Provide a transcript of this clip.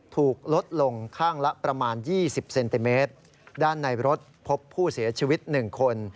ถูกลดลงข้างละประมาณยี่สิบเซนติเมตรด้านในรถพบผู้เสียชีวิตหนึ่งคน